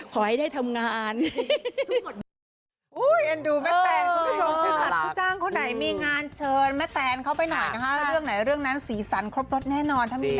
ขอให้ได้ทำงาน